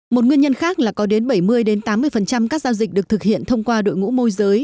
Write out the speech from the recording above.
một nguyên nhân khác là có đến bảy mươi tám mươi các giao dịch được thực hiện thông qua đội ngũ môi giới